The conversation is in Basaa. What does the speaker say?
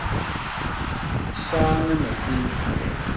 Saane me pil.